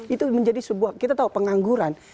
itu menjadi sebuah kita tahu pengangguran